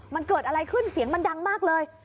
มันเกิดอะไรขึ้นเสียงมันดังมากเลย